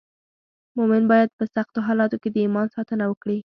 مومن باید په سختو حالاتو کې د ایمان ساتنه وکړي.